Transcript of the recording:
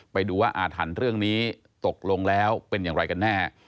ไปดูว่าอาถรรพ์เรื่องนี้ตกลงแล้วเป็นอย่างไรกันแน่